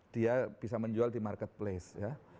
dia bisa menjual di marketplace ya